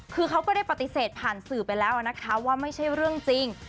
คือเขาก็ได้ปฏิเสธผ่านสื่อไปแล้วนะคะว่าไม่ใช่เรื่องจริง